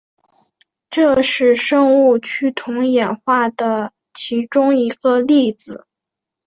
这是生物趋同演化的其中一个例子。